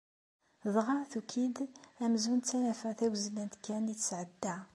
Dɣa tuki-d amzun d tanafa tawezzlant kan i tesεedda.